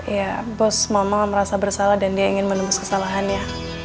ya bos mama merasa bersalah dan dia ingin menembus kesalahannya